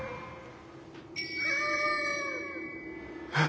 ・えっ。